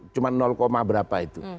cuma berapa itu